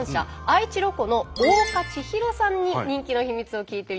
愛知ロコの大岡千紘さんに人気の秘密を聞いてみましょう。